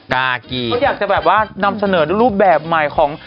ที่อยากจะแบบว่านำเสนอรูปแบบใหม่ของ